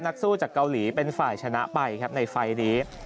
นักสู้จากเกาหลีเป็นฝ่ายชนะไปครับในไฟล์นี้